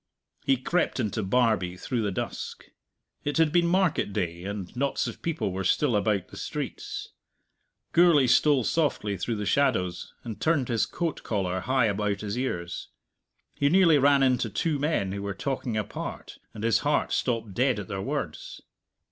He crept into Barbie through the dusk. It had been market day, and knots of people were still about the streets. Gourlay stole softly through the shadows, and turned his coat collar high about his ears. He nearly ran into two men who were talking apart, and his heart stopped dead at their words.